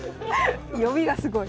読みがすごい。